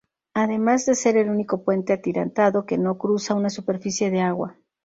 Además de ser el único puente atirantado que no cruza una superficie de agua.